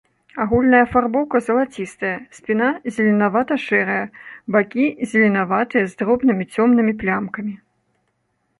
Агульная афарбоўка залацістая, спіна зеленавата-шэрая, бакі зеленаватыя з дробнымі цёмнымі плямкамі.